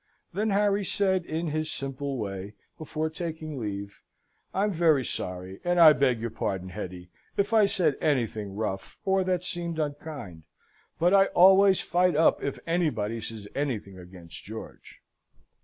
Then Harry said, in his simple way, before taking leave, "I'm very sorry, and I beg your pardon, Hetty, if I said anything rough, or that seemed unkind; but I always fight up if anybody says anything against George."